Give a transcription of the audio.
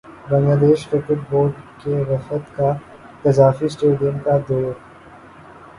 Bangladesh cricket board کے وفد کا قذافی اسٹیڈیم کا دورہ